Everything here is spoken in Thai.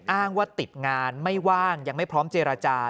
อ้างว่าติดงานไม่ว่างยังไม่พร้อมเจรจา